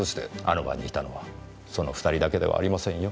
あの場にいたのはその２人だけではありませんよ。